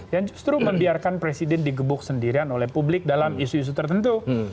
yang justru membiarkan presiden digebuk sendirian oleh publik dalam isu isu tertentu